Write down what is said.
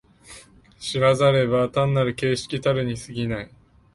然らざれば単なる形式たるに過ぎない。